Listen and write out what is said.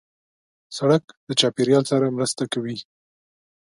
سړک د چاپېریال سره مرسته کوي.